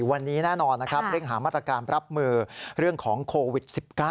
วันนี้แน่นอนนะครับเร่งหามาตรการรับมือเรื่องของโควิด๑๙